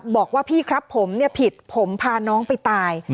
บอกว่าพี่ครับผมเนี่ยผิดผมพาน้องไปตาย